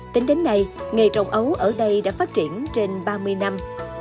tính đến nay nghề trồng ấu ở đây đã phát triển trên ba mươi năm